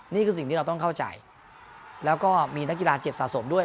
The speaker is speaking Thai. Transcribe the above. นี่คือสิ่งที่เราต้องเข้าใจแล้วก็มีนักกีฬาเจ็บสะสมด้วย